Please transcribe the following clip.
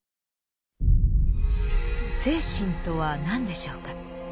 「精神」とは何でしょうか？